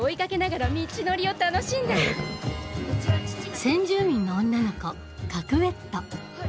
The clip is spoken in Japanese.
先住民の女の子カクウェット